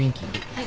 はい。